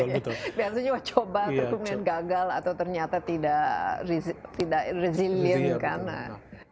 biasanya coba terus kemudian gagal atau ternyata tidak resilient